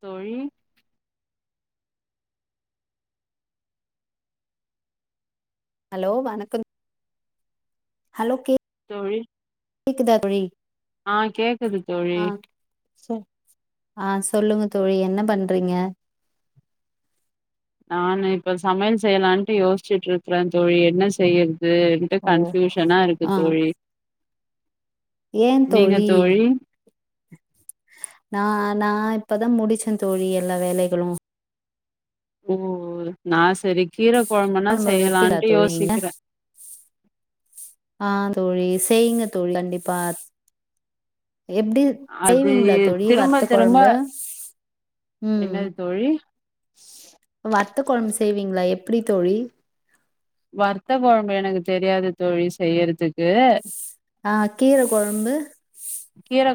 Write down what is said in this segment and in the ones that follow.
தோழி ஹலோ வணக்கம் ஹலோ தோழி கேக்குதா தோழி ஆ கேக்குது தோழி ஆஹ் ஆ சொல்லுங்க தோழி என்ன பண்றீங்க நானு இப்ப சமையல் செய்யலான்ட்டு யோசிச்சுட்டு இருக்குறேன் தோழி என்ன செய்ய றதுட்டு ஓ கன்ஃபியூஷனா இருக்கு ஆ தோழி ஏன் தோழி நா நா இப்பதான் முடிச்சேன் தோழி எல்லா வேலைகளும் ஓ நான் சேரி கீர கொழம்புன்னா கொழம்பு வப்பிங்களா செய்யலான்ட்டு தோழி நீங்க யோசிக்கிறே ஆஹ் தோழி செய்யிங்க தோழி கண்டிப்பா எப்டி அது செய்வீங்களா தோழி வத்த திரும்ப திரும்ப குழம்பு என்னது தோழி வத்த குழம்பு செய்வீங்களா எப்டி தோழி வத்த குழம்பு எனக்கு தெரியாது தோழி செய்றது ஆ கீர குழம்பு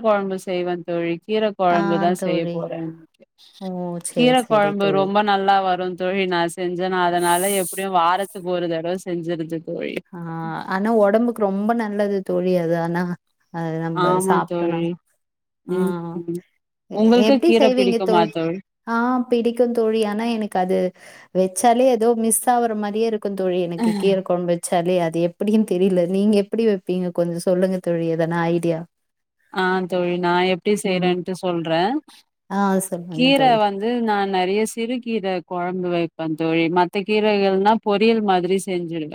குழம்பு செய்வேன் தோழி கீர குழம்பு தான் செய்ய தோழி போறேன் ஓ கீர சேரி சேரி குழம்பு தோழி ரொம்ப நல்லா வரும் தோழி நா செஞ்சேனா அதனால எப்டியும் வாரத்துக்கு ஒரு தடவ செஞ்சிருசி ஆ ஆனா உடம்புக்கு ரொம்ப நல்லது தோழி அது ஆனா அது நம்ப ஆமா சாப்ட்டோன்னா தோழி ம் எ உங்களுக்கு எப்டி கீர செய்வீங்க பிடிக்குமா தோழ் தோழி ஆ பிடிக்கும் தோழி ஆனா எனக்கு அது வெச்சாலே ஏதோ மிஸ் ஆவற மாரியே இருக்கும் தோழி எனக்கு கீரக்கொழம்பு வச் சாலே அது எப்டினு தெரில நீங்க எப்டி வப்பீங்க கொஞ்சோ சொல்லுங்க தோழி எதனா ஐடியா ஆ தோழி நா எப்டி ம். செய்றேன்ட்டு சொல்ற ஆ சொல்லுங்க கீர தோழி. வந்து நா நெறைய சிறுகீர கொழம்பு வப்பேன் தோழி மத்த கீரைகள்னா பொரியல் மாதிரி செஞ்சுடுவ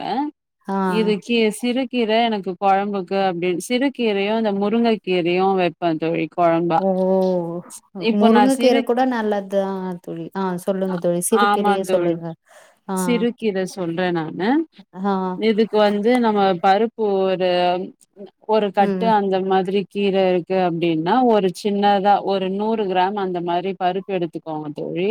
ஆ இதுக்கு சிறு கீர எனக்கு கொழம்புக்கு அப்டின்னு சிறு கீரையு இந்த முருங்கக்கீரையு வப்பேன் தோழி கொழம்பா ஓ இப்போ நா முருங்கக்கீர சிறு கூட நல்லதுதா தோழி ஆ சொல்லுங்க தோழி சிறு கீரையே சொல்லுங்க ஆ சிறு கீர சொல்ற நானு ஆ இதுக்கு வந்து நம்ம பருப்பு ஒரு ஒரு கட்டு ம் அந்த மாதிரி கீர இருக்கு அப்டின்னா ஒரு சின்னதா ஒரு நூறு கிராம் அந்த மாரி பருப்பு எடுத்துக்கோங்க தோழி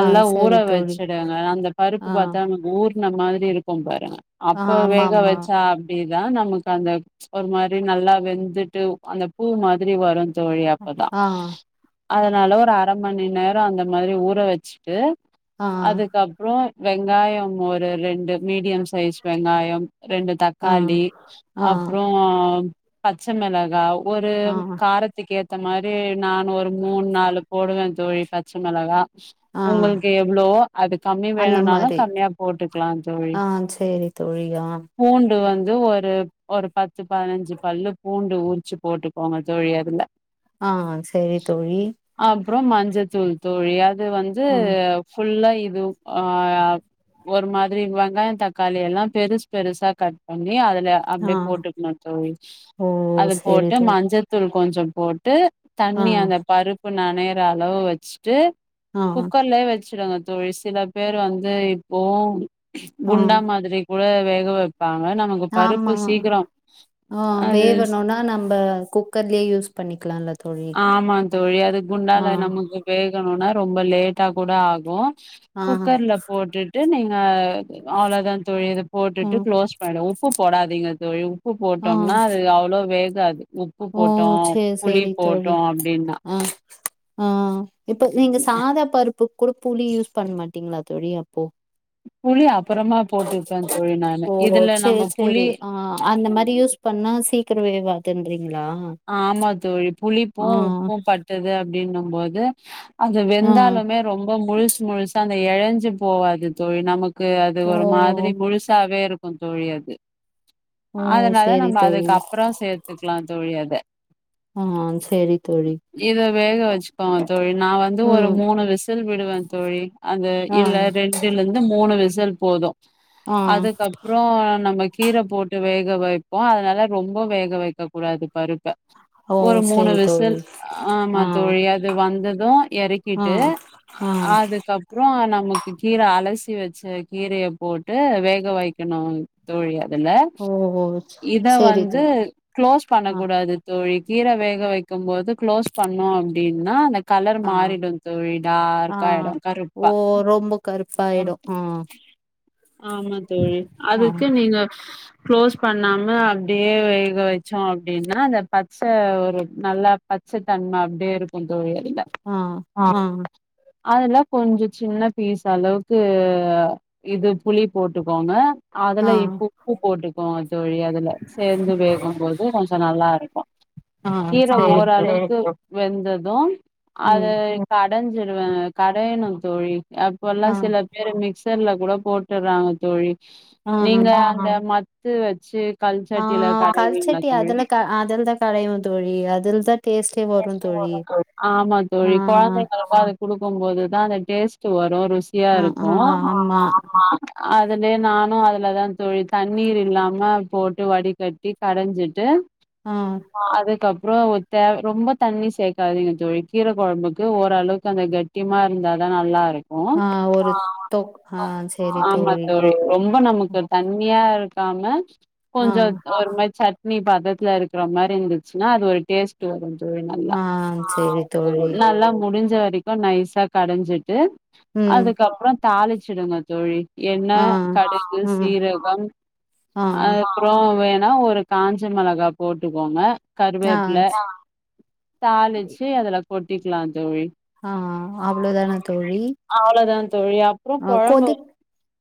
ஆ ஊற சரி தோழி. வச்சுடுங்க அந்த பருப்பு ஆ. பாத்தா நமக்கு ஊறுன மாரி இருக்கும் பாருங்க ஆ அப்போ வேக ஆமாமா வச்சா அப்டிதா நமக்கு அந்த ஒரு மாரி நல்லா வெந்துட்டு அந்த பூ மாதிரி வரும் தோழி அப்பதா ஆ அதனால ஒரு அர மணிநேர அந்த மாரி ஊற வச்சுட்டு ஆ அதுக்கப்புற வெங்காயம் ஒரு ரெண்டு மீடியம் சைஸ் வெங்காயம் ரெண்டு ஆ தக்காளி ஆ அப்புறோ பச்ச மெளகா ஒரு ஆ காரத்துக்கேத் ஏத்த மாரி நானு ஒரு மூணு நாலு போடுவ தோழி பச்ச மெளகா ஆ உங்களுக்கு எவ்வளவோ அது கம்மி அந்த வேணும்னாலு கம்மியா போட்டுக்கலா தோழி செரி தோழி ஆ ஏதோ ஒரு ஒரு பத்து பதினஞ்சு பல்லு பூண்டு உரிச்சு போட்டுக்கோங்க தோழி அதுல ஆ சரி தோழி அப்புற மஞ்சத்தூள் தோழி அது வந்து ம் ஃபுல்லா து ஆ ஒரு மாதிரி வெங்காய தக்காளியெல்லா பெருசு பெருசா கட் பண் ணி அதுல ஆ அப்டே போட்டுக்கணு தோழி ஓ அது சேரி போட்டு தோழி மஞ்சத்தூள் கொஞ்சம் போட் ட்டு ஆ தண்ணி அந்த பருப்பு நெனைற அளவு வச்சுட்டு ஆ குக்கர்லே வச் சிடுங்க தோழி சில பேர் வந்து இப்போ ஆ குண்டா மாதிரி கூட வேக வெப் பாங்க நமக்கு ஆமா பருப்பு சீக்கிரம் ஆ அது வேவணுனா நம்ப குக்கர்லயே யூஸ் பண்ணிக்கலால்ல தோழி ஆமா தோழி அது ஆ குண்டான்ல நமக்கு வேகணு ரா ரொம்ப லேட்டா கூட ஆகு ஆ குக்கர்ல போட்டுட் டு நீங்க அவ்வளோதா தோழி இத போட்டுட்டு ம் க்ளோஸ் பண்ண உப்பு போடாதீங்க தோழி உப்பு ஆ போட்டோம்னா அது அவ்ளோவா வேகாது உப்பு ஓ போட்டோ சேரி புளி சேரி போட்டோ தோழி அப்டின்னா ஆ ஆ இப்ப நீங்க சாதா பருப்புக்கு கூட புளி யூஸ் பண்ண மாட்டீங்களா தோழி அப்போ புளி அப்பறமா போட்டுப்பே தோழி நானு ஓ இதுல நம்ம சேரி புளி சேரி ஆ அந்த மாரி யூஸ் பண் பண்ணா சீக்கிர வேவாது ஆமா தோழி ஆ புளிப்பும் உப்பும் பட்டது அப்டின்னும் போது அது ஆ வெந்தாலுமே ரொம்ப முழுசு முழுசா அந்த எழஞ்சு போவாது தோழி நமக் க்கு அது ஓ ஒரு மாதிரி முழுசாவே இருக்கும் தோழி அது ஓ அதனால சேரி நம்ம தோழி அதுக்கப்புறம் சேத்து ஆ சேரி தோழி இத வேக வச்சுப்பாங்க தோழி நா வந்து ஒரு ம் மூணு விசில் விடுவ தோழி அந்த ஆ இல்ல ரெண்டுலருந்து மூணு விசில் போதும் ஆ அதுக்கப்புறோ நமக் கீர போட்டு வேக வெப்போ அதனால ரொம்ப வேக வக்க கூடாது பருப் பு ஓ ஒரு மூணு சேரி தோழி விசில் ஆமா ஆ தோழி அது வந்ததும் ஆ எறக்கிட்டு அ ஆ அதுக்கப்புறோ நம் நமக்கு கீர அலசி வச்ச கீரய போட்டு வேக வைக்கணு தோழிய இல்ல ஓ ஓ இத சேரி வந்து தோழி க்ளோஸ் ஆ பண்ணக்கூடாது தோழி கீர வேக வைக்கும்போது க்ளோஸ் பண்ணோ அப்டின்னா அந்த கலர் ஆ மாறிடு தோழி ஆ டார்க்கா ஆய்டு ஓ கருப்பா ரொம்ப கருப்பாயிடு ஆ ஆமா தோழி ஆ அதுக்கு நீங்க க்ளோஸ் பண்ணாம அப்டியே வேக வச்சோ அப்டின்னா அந்த பச்ச ஒரு நல்லா பச்சதன்ம அப்டியே இருக்கு கும் தோழி அதுல ஆ ஆ அதுல்ல கொஞ்ச சின்ன பீசு அளவுக்கு இது புளி போட்டுக்கோங்க அதுல ஆ இப்ப்பு போட்டுக்க தோழி அதுல சேர்ந்து வேகும்போது கொஞ்ச நல்லா இருக்கு ஆ கீர சேரி ஓர தோழி அளவுக்கு வெந்ததும் அத ம் கடைஞ்சிருவ கடையணு தோழி இப்பல்லா ஆ சில பேர் மிக்சர்ல கூட போட்டுறாங்க தோழி ஆ ஆ நீங்க அங்க மத் த்து வச்சு ஆ கல்சட்டில கடைவீங்களா கல்சட்டி தோழி அதுல அதல்தா கடைவ தோழி அதுல்தா டேஸ்ட்டே வரு தோழி ஆமா ஆ தோழி கொழந்தைங்களுக்கு அது குடுக்கும் போதுதான் அத டேஸ்ட் வரும் ருசியா ஆ ஆ இருக்கு ஆமா அதலயே நானும் அதுல தா தோழி தண்ணீர் இல்லாம போட்டு வடிகட்டி கடஞ்சிட்டு ஆ அதுக்கப் அப்புற தேவ ரொம்ப தண்ணி சேர்க்காதீங்க தோழி கீரை குழம்புக்கு ஓரளவுக்கு அந்த கட்டியமா இருந்தாதா நல்லா இருக் ஆ ஒரு தொக் அ சேரி ஆமா தோழி ரொம்ப நமக்கு தண்ணியா இருக்காம ஆ கொஞ்ச ஒரு மாதி சத் நீ பதத்துல இருக்கற மாரி இருந்துச்சுன்னா அது ஒரு டேஸ்ட் வருந் நல்லா ஆ சேரி தோழி நல்லா முடிஞ் ஞ்ச வரைக்கு நைசா கடஞ்சிட்டு ம் அதுக்கப்பற தாளிச்சிடுங்க தோழி எண்ண ஆ கடுகு ம் சீரகம் ஆ அதுப்புற வேண் ஒரு காஞ்ச மெளகா போட்டுக்கோங்க ஆ கருவேப்புல ச் தாளிச்சு அதுல கொட்டிக்லா தோழி ஆ அவ்ளோ தானா தோழி அவ்ளோதா தோழி அப்புற ஆ கொழம்ப கொதிக்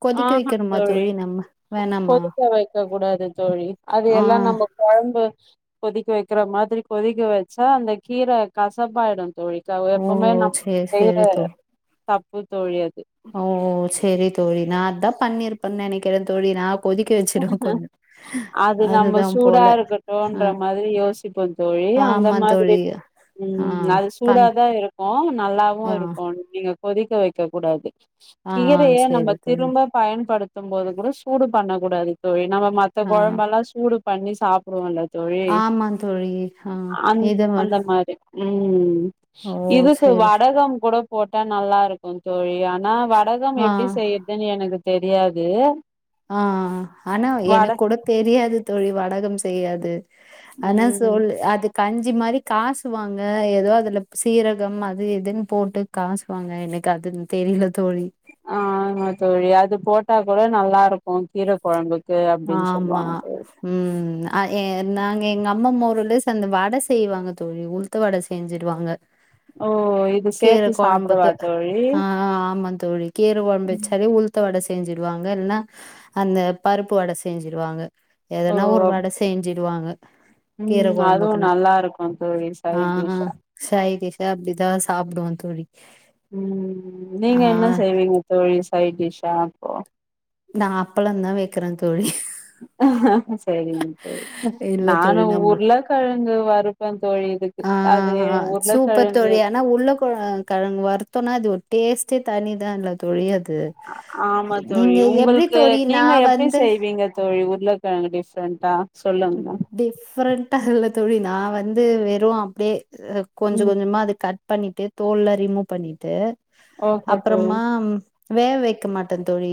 கொதிக்க ஆஹா வைக்கணுமா தோழி நம்ம வேணாமா கொதிக்க வைக்க கூடாது தோழி அது ஆ எல்லா நம்ப கொழம்பு கொதிக்க வைக்கிற மாதிரி கொதிக்க வச்சா அந்த கீர கசப்பாயிடு தோழி எப்பமே நம் ஏ செரி தோல் தப்பு தோழி அ பண்ணிருப்பன் நெனக்குற தோழி நாப் அது நம்ம அதுதா சூடா போல ஆ இருக்கட்டோன்ற மாறி யோசிப்போ தோழி இல்ல அந்த ஆமா மாதிரி தோழி ஆ ம் அது பண் சூடாதா இருக்கு நல்லாவு ஆ இருக்கு நீங்க கொதிக்க வைக்க கூடாது ஆ கீரய நம்ம சேரி தோழி திரும்ப பயன்படுத் தும் போது கூட சூடு பண்ணக் கூடாது தோழி நம்ம மத்த ஆ கொழம்பல்லா சூடு பண்ணி சாப்டுவோலத் தோழி ஆமா தோழி ஆ அந் இத மட் அந்த மாறி ம் ஓ இதுக்கு சேரி வடகம் கூட போட்டா நல்லா இருக்கு தோழி ஆ னா வடகம் ஆ எப்டி செய்றதுனு எனக்கு தெரியாது ஆ ஆனா வட எனக் கூட தெரியாது தோழி வடகம் செய்யாது ஆனா ம் சொல் அதுக் கஞ்சி மாறி காசுவாங்க ஏதோ அதுல சீரகம் அது இதுன் போட்டு காசுவாங்க எனக் அதுன் தெரில தோழி ஆ ஆமா தோழி அது போட்டா கூட நல்லாருக்கு கீரக் கொழம்புக் ஆமா ம் அ ஏ நாங்க எங்க அம்மமா ஒரு லிஸ் அந்த வட செய்வாங்க தோழி உள்த்த வட செஞ்சிருவாங்க ஓ இது சேத்து கீரக் சாப்டவா கொழம்புக்கு தோழி ஆ ஆமா தோழி கீரக் கொழம்பு வச்சாலே உள்த்த வட செஞ் செஞ்சிடுவாங்க இல்னா அந்த பருப்பு வட செஞ்சிருவாங்க ஓ எதனா ஒரு வட சேஞ்சிடுவாங்க கீர ம் அதுவு கொழம்புக்குனா நல்லா இருக்கு தோழி ஆ சைட் டிஷ்ஷா சய்டிஸ் அப்டிதா சாப்டுவோ தோழி உம் ஆ நீங்க என்ன செய்வீங்க தோழி சைடிஸ் அப்போ நா அப்ளதா வக்குறே தோழி ஆ சரிங் இல்ல நானூ தோழி நம்ம உர்ளக்கெழங்கு வறுப்பே தோழி இதுக்கு ஆ அது ஆ உர்ளக்கெழங் சூப்பர் தோழி ஆனா உர்ள்ள கோ கெழங் வருத்தோனா அது ஒரு டேஸ்டே தனிதா இல்ல தோழி அது ஆமா தோழி நீங்க எப்டி உங்ளுக்கு தோழி நா நீங்க எப்டி வந்து செய்வீங்க தோழி உர்ல கெழங் டிப்ரெண்டா டிப்ரெண்டா இல்ல தோழி நா வந்து வெரூ அப்டியே கொஞ்ச ம் கொஞ்சமா அது கட் பண்ணிட் தோல்லா ரிமூவ் பண்ணிட்டு ஓகே தோழி அப்றமா வே வைக்க மாட்டே தோழி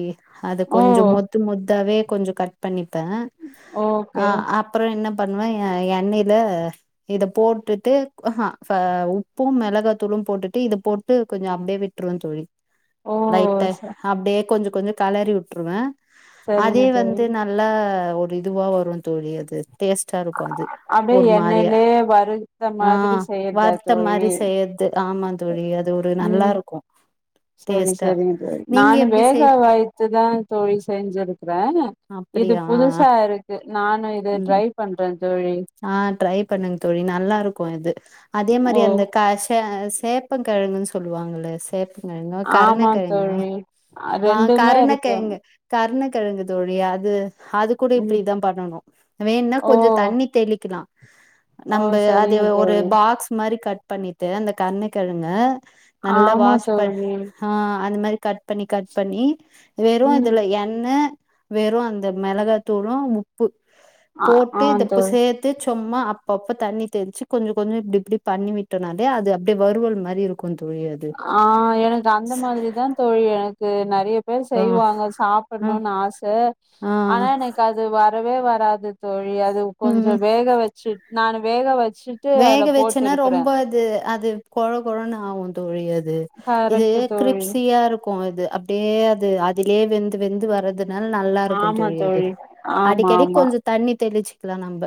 அது ஓ கொஞ்ச மொத்து மொத்தாவே கொஞ்ச கட் பண்ணிப்பே ஓகே அ அப்றோ என்ன பண்ணுவே எண்ணெய்ல இத போட்டுட்டு உப்பூ மெளகாத்தூளு போட்டுட்டு இத போட்டு கொஞ்ச அப்டியே விட்ருவே தோழி ஓ லைட்ட ச அப்டியே கொஞ்ச கொஞ்ச களறி உட்ருவே சரிங்க அதே தோழி வந்து நல்லா ஒரு இதுவா வரூ தோழி அது டேஸ்ட்டா இருக்கு அது அப்டியே ஒரு மாறியா எண்ணெய்லயே வறுத்த ஆ மாதிரி செய்யறதா வர்த தோழி மாறி செய்யற்து ஆமா தோழி அது ஒரு ம் நல்லாருக்கு சரி சரிங்க நானு செய் வேகா வாய்த்துதா தோழி செஞ்சிருக்குறே இது அப்படியா புதுசாருக்கு நானு இத ம் ட்ரை பண்றன் ஆ ட்ரை பண்ணுங் தோழி நல்லாருக்கு இது அதே மாறி ஓ அந்த கா ஷே சேப்பங்கழங்குனு சொல்வாங்ள சேப் ழங்க ஆமா கருணக்கெழங்கா தோழி அ ஆ ரெண்டுமே இருக்கு கருணக்கெழங்கு கருணக் கெழங்கு தோழி அது அது கூட ம் இப்டிதா பண்ணனு வேன்னா ஓ கொஞ்ச தண்ணி தெழிக்கிலா ஓ நம்ப அது சரிங்க ஒரு தோழி பாக்ஸ் மாறி கட் பண்ணிட்டு அந்த கருண்ண கெழங்க நல்லா ஆமா வாஷ் பண் தோழி அ அந்த மாறி கட் பண்ணி கட் பண்ணி வெரூ ம் அதுல எண்ண வெரூ அந்த மெளகாத்தூளு உப்பு ஆ ஆ ப்ப தோழி சேத்து சு சும்மா அப்ப அப்ப தண்ணி தெல்சு கொஞ்ச கொஞ்ச இப்டி இப்டி பண்ணி விட்டோனாலே அது அப்டியே வறுவல் மாரி இருக்கு தோழி அது ஆ எனக்கு அந்த மாரிதா தோழி எனக்கு நறைய பேர் ஆ செய்வாங்க ஆ சாப்பணும்னு ஆச ஆ ஆனா எனக்கு அது வரவே வர ராது தோழி அது கொஞ்ச ம் வேக வச்சுட் நா வேக வச் வேக வச்சுன்னா ரொம்ப அது அது கொழ கொழன்னு ஆகும் தோழி அது இது கரெக்ட்டு தோழி கிரிப்சியா இருக்கு இது அப்டியே அது அதுலயே வெந்து வெந்து வர்றது னால நல்லா இருக்கு தோழி அது ஆமா அடிக்கடி ஆமா கொஞ்ச தண்ணி தெளிச்சிக்கலா நம்ப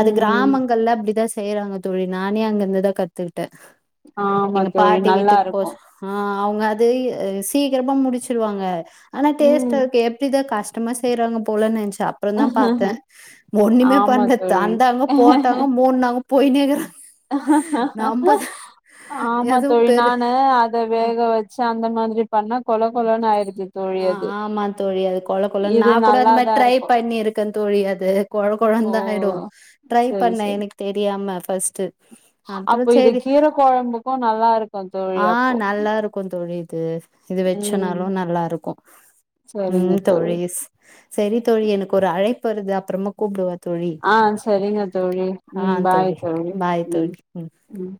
அது ம் கிராமங்கள்ல அப்டி தா செய்யறாங்க தோழி நானே அங்கருந்து தா கத்துக் ட்டே ஆமா எங்க தோழி பாட்டி நல்லா வீட்டுக்கு போ இருக்கு ஆ அவங்க அது சீக்கிரமா முடிச்சுடுவாங்க ஆனா டேஸ்ட் ம் அதுக்கு எப்டி தா கஷ்டமா செய்யறாங்க போலன்னு நெச்சு அப்புற தா பாத்தேன் ஒண்ணுமே ஆமா பண்ணல தோழி வந்தாங்க போட்டாங்க மூடுனாங்க போயினேக்குறாங்க [inaudible] ஆமா எதோ தோழி பெரு நானு அத அ வேக வச்சு அந்த மாரி பண்ணா கொழ கொழன்னு ஆ ஆமா தோழி அது கொழ கொழன்னு நா இது கூட அந்த மாரி நல்லாதா ட்ரை இருக்கு பண்ணிருக்கே தோழி அது கொழ ஓ கொழன்னு தா ஆயிடும் ட்ரை செரி பண்ணன் செரி எனக்கு தெரியாம பஸ்ட்டு அப்பற அப்போ இது சரி கீர கொழம்புக்கு நல்லா இருக்கு தோழி ஆ அப்போ நல்லா இருக்கு தோழி து இது ம் வச்சனாலு நல்லாருக் கு சரிங்க ம் தோழி தோழிஸ் சரி தோழி எனக்கு ஒரு அழைப்பு வருது அப்பறமா கூப்டவா தோழி ஆ சரிங்க தோழி ஆ ம் பாய் தோழி பாய் ம் தோழி ம்